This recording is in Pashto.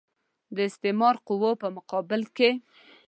د استعمار د قواوو په مقابل کې.